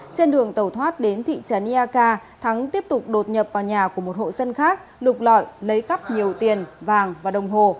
trên đường tàu thoát đến thị trấn iak thắng tiếp tục đột nhập vào nhà của một hộ dân khác lục lọi lấy cắp nhiều tiền vàng và đồng hồ